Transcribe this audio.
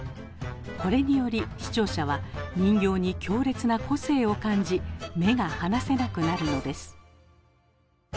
これにより視聴者は人形に強烈な個性を感じ目が離せなくなるのです。